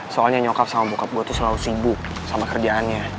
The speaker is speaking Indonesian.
soalnya nyokap sama bokap gue tuh selalu sibuk sama kerjaannya